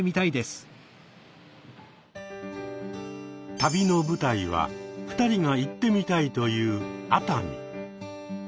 旅の舞台は２人が行ってみたいという熱海。